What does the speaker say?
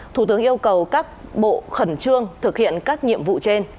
thủ tướng yêu cầu các bộ khẩn trương thực hiện các nhiệm vụ trên